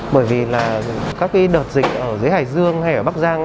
bởi vì là các cái đợt dịch ở dưới hải dương hay ở bắc giang